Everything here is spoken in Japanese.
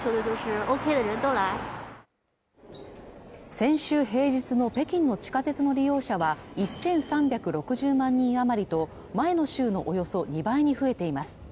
先週平日の北京の地下鉄の利用者は１３６０万人余りと前の週のおよそ２倍に増えています